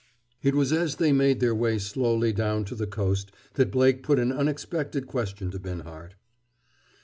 It was as they made their way slowly down to the coast that Blake put an unexpected question to Binhart.